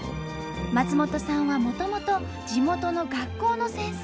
松本さんはもともと地元の学校の先生。